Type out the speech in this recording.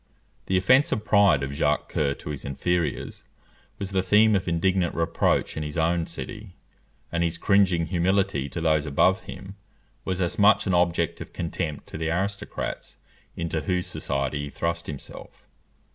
The offensive pride of Jacques Coeur to his inferiors was the theme of indignant reproach in his own city, and his cringing humility to those above him was as much an object of contempt to the aristocrats into whose society he thrust himself.